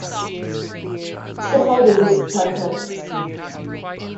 So how does it stack up?